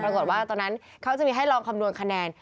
ปรากฏว่าตอนนั้นเค้าจะมีให้ลองคำนวณคะแนน